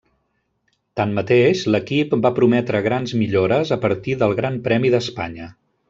Tanmateix, l'equip va prometre grans millores a partir del Gran Premi d'Espanya.